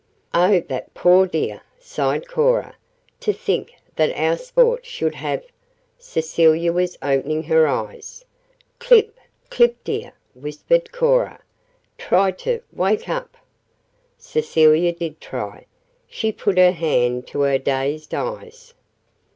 "Oh, the poor dear!" sighed Cora. "To think that our sport should have " Cecilia was opening her eyes. "Clip! Clip, dear!" whispered Cora. "Try to wake up!" Cecilia did try she put her hand to her dazed eyes.